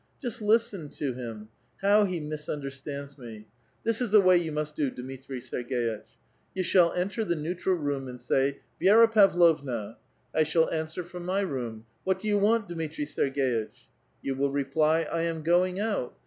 Just listen to him ! How he misuuderstauds me ! This is the wa3' 3'ou must do, Dmitri Serg^itch. You shall enter the ucutral room and sa3', ' Vi^ra Pavlovna !' 1 shall answer from my room, ' What do you want, Dmitri Sergf^itch.' You will re ply, 'I am going out.